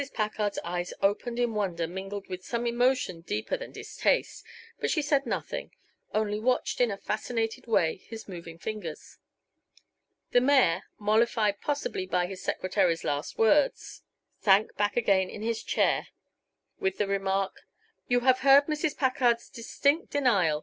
Packard's eyes opened in wonder mingled with some emotion deeper than distaste, but she said nothing, only watched in a fascinated way his moving fingers. The mayor, mollified possibly by his secretary's last words, sank back again in his chair with the remark: "You have heard Mrs. Packard's distinct denial.